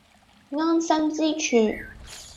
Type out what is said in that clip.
安身之處